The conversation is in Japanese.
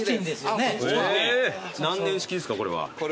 何年式ですかこれは。